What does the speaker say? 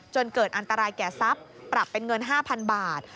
เกิดอันตรายแก่ทรัพย์ปรับเป็นเงิน๕๐๐๐บาท